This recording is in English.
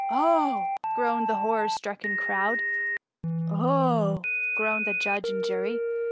Oh !" groaned the horror struck crowd ; Oh r groaned the judge and jury.